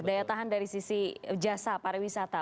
daya tahan dari sisi jasa para wisata